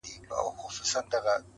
دا ګودر زرګر دی دلته پېغلي هم زرګري دي-